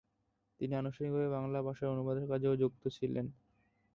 তিনি আনুষ্ঠানিকভাবে বাংলা ভাষার অনুবাদের কাজেও যুক্ত ছিলেন।